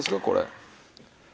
これ。